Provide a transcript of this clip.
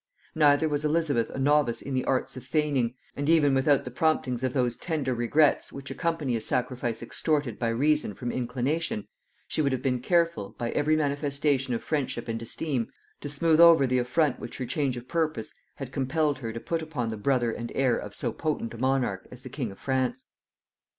Neither was Elizabeth a novice in the arts of feigning; and even without the promptings of those tender regrets which accompany a sacrifice extorted by reason from inclination, she would have been careful, by every manifestation of friendship and esteem, to smooth over the affront which her change of purpose had compelled her to put upon the brother and heir of so potent a monarch as the king of France.